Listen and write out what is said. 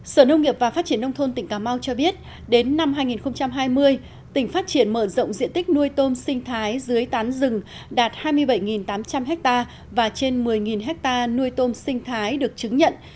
sở nông nghiệp và phát triển nông thôn tỉnh cà mau cho biết đến năm hai nghìn hai mươi tỉnh phát triển mở rộng diện tích nuôi tôm sinh thái dưới tán rừng đạt hai mươi bảy tám trăm linh ha và trên một mươi hectare nuôi tôm sinh thái được chứng nhận